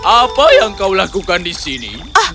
apa yang kau lakukan di sini